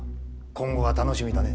今後が楽しみだね